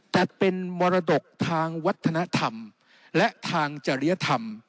แต่เป็นมรดกทางวัฒนธรรมและทางจริยธรรม